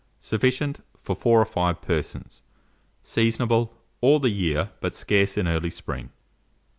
Sufficient for 4 or 5 persons. Seasonable all the year, but scarce in early spring.